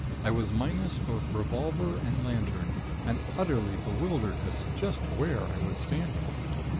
I was minus both revolver and lantern, and utterly bewildered as to just where I was standing.